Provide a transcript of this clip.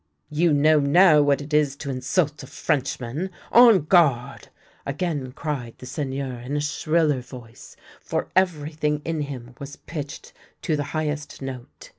" You know now what it is to insult a Frenchman. On guard! " again cried the Seigneur in a shriller voice, for everything in him was pitched to the highest note.